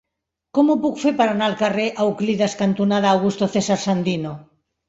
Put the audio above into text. Com ho puc fer per anar al carrer Euclides cantonada Augusto César Sandino?